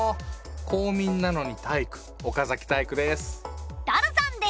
公民なのに体育岡崎体育です。